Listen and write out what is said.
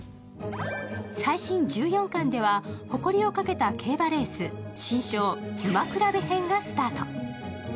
最新１４巻では、誇りをかけた競馬レース、新章「馬競べ」編がスタート。